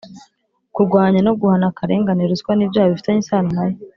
kurwanya no guhana akarengane, ruswa n’ibyaha bifitanye isano na yo